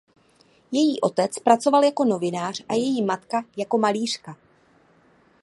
Její otec pracoval jako novinář a její matka jako malířka.